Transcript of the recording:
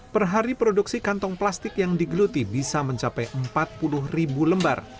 perhari produksi kantong plastik yang digeluti bisa mencapai empat puluh ribu lembar